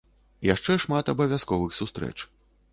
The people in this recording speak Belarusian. Яшчэ шмат абавязковых сустрэч.